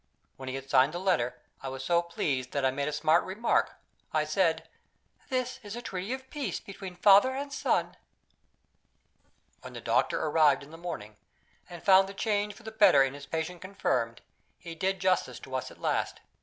When he had signed the letter, I was so pleased that I made a smart remark. I said: "This is a treaty of peace between father and son." When the doctor arrived in the morning, and found the change for the better in his patient confirmed, he did justice to us at last.